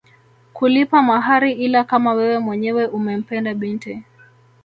Kulipa mahari ila kama wewe mwenyewe umempenda binti